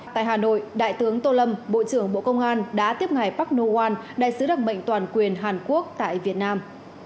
tại hà nội đại tướng tô lâm bộ trưởng bộ công an đã tiếp ngài park noh oan đại sứ đặc mệnh toàn quyền hàn quốc tại việt nam